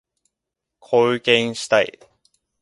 貢献したい